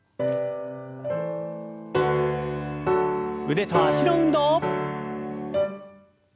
腕と脚の運動。